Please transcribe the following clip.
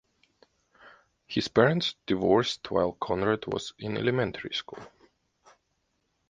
His parents divorced while Conrad was in elementary school.